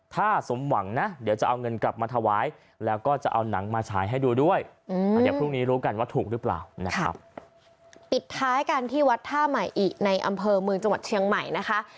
ในอำเภอเมืองจังหวัดเชียงใหม่นะคะ